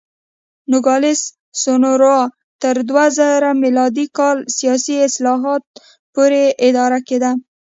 نوګالس سونورا تر دوه زره م کال سیاسي اصلاحاتو پورې اداره کېده.